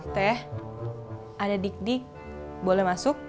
teh ada dik dik boleh masuk